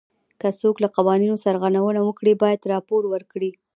که څوک له قوانینو سرغړونه وکړي باید راپور ورکړي.